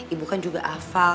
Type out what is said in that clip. ibu kan juga hafal